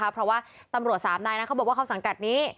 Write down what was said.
เพราะว่าตำรวจสามนายนั้นเขาบอกว่าเขาสังกัดนี้